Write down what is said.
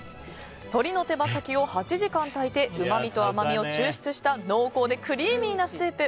鶏の手羽先を８時間炊いてうまみと甘みを抽出した濃厚でクリーミーなスープ。